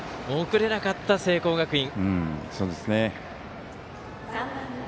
送れなかった聖光学院。